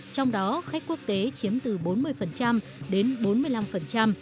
trong đó khách quốc tế chiếm từ bốn mươi đến bốn hai triệu lượt